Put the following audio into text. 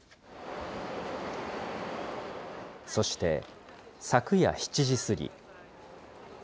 そして昨夜７時過ぎ。